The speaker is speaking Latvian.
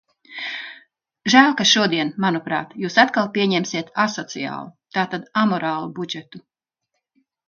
Žēl, ka šodien, manuprāt, jūs atkal pieņemsiet asociālu, tātad amorālu budžetu.